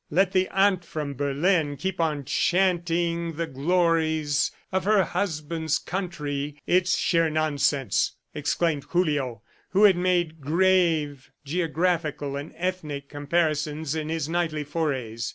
Let the "aunt from Berlin" keep on chanting the glories of her husband's country! "It's sheer nonsense!" exclaimed Julio who had made grave geographical and ethnic comparisons in his nightly forays.